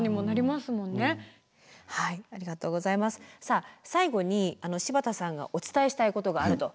さあ最後に柴田さんがお伝えしたいことがあると。